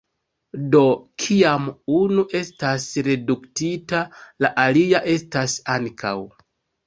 Do, kiam unu estas reduktita, la alia estas ankaŭ.